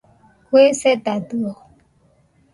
Kue sedadio.